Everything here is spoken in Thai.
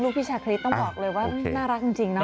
พี่ชาคริสต้องบอกเลยว่าน่ารักจริงนะ